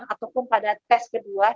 ataupun pada tes kedua